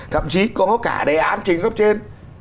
thậm chí có cả đề án trình báo như cấp trên